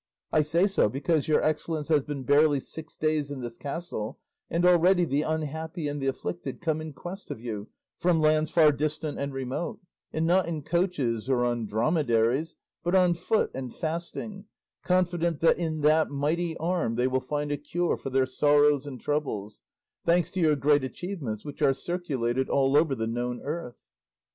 I say so, because your excellence has been barely six days in this castle, and already the unhappy and the afflicted come in quest of you from lands far distant and remote, and not in coaches or on dromedaries, but on foot and fasting, confident that in that mighty arm they will find a cure for their sorrows and troubles; thanks to your great achievements, which are circulated all over the known earth."